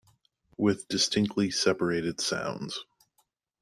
With distinctly separated sounds.